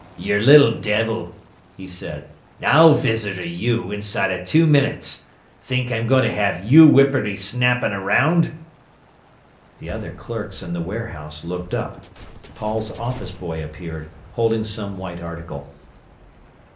"Yer little devil!" he said. "I'll visitor you, inside of two minutes! Think I'm goin' to have you whipperty snappin' round?" The other clerks in the warehouse looked up. Paul's office boy appeared, holding some white article.